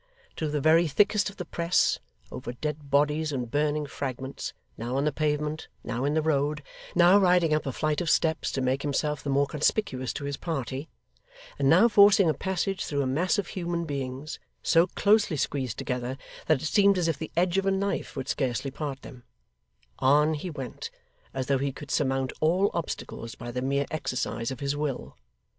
Through the very thickest of the press, over dead bodies and burning fragments, now on the pavement, now in the road, now riding up a flight of steps to make himself the more conspicuous to his party, and now forcing a passage through a mass of human beings, so closely squeezed together that it seemed as if the edge of a knife would scarcely part them, on he went, as though he could surmount all obstacles by the mere exercise of his will.